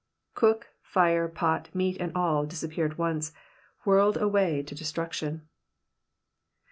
'*'' Cook, fire, pot, meat and all, disappear at once, whirled away to destruction.